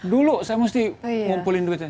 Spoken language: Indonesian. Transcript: dulu saya mesti ngumpulin duitnya